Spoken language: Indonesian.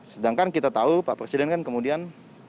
sedangkan kita tahu pak presiden kan kemudian